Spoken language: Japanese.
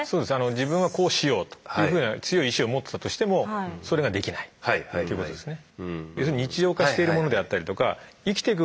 自分はこうしようというふうな強い意志を持ってたとしてもそれができないってことですね。